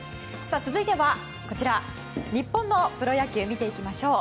続いては、日本のプロ野球を見ていきましょう。